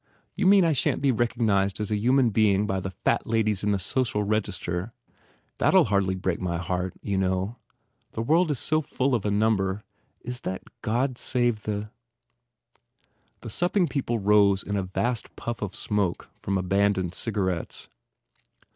You mean I shan t be recognized as a human being by the fat ladies in the Social Register? That ll hardly break my heart, you know? The world is so full of a number Is that God save the " The supping people rose in a vast puff of smoke from abandoned cigarettes.